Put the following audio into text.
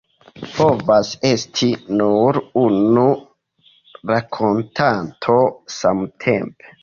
Povas esti nur unu rakontanto samtempe.